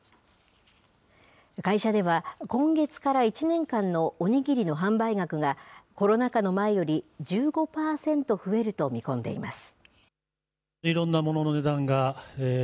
会社では、今月から１年間のお握りの販売額が、コロナ禍の前より、１５％増えると見込んでいます。